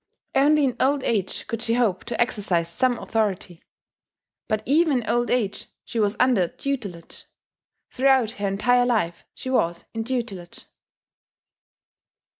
Only in old age could she hope to exercise some authority; but even in old age she was under tutelage throughout her entire life she was in tutelage.